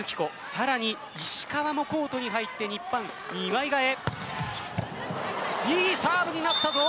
さらに、石川もコートに入って日本、２枚替え。